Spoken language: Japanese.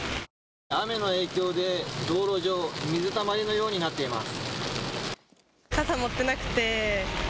雨の影響で道路上は水たまりのようになっています。